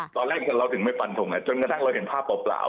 ตอนแรกเราถึงไม่ฟันทงไงจนกระทั่งเราเห็นภาพเปล่า